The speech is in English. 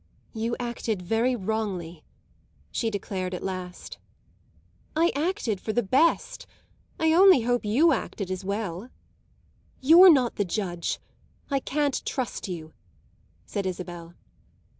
"You acted very wrongly," she declared at last. "I acted for the best. I only hope you acted as well." "You're not the judge. I can't trust you," said Isabel.